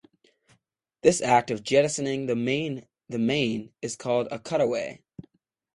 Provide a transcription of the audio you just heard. This act of jettisoning the main is called a "cut-away".